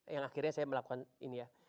yang akhirnya saya melakukan ini ya